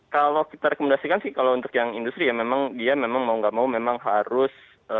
kalau kita rekomendasikan sih kalau untuk yang industri ya memang dia memang mau gak mau memang harus